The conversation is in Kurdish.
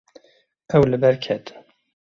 Ew li ber ketin.